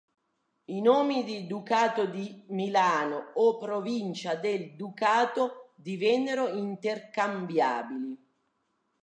I nomi di "Ducato di Milano" o "Provincia del Ducato" divennero intercambiabili.